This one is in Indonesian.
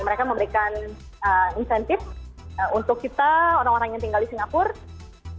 mereka memberikan incentive untuk kita orang orang yang tinggal di singapura untuk mengunjungi tempat tempat wisata